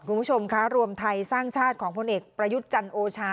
คุณผู้ชมคะรวมไทยสร้างชาติของพลเอกประยุทธ์จันทร์โอชา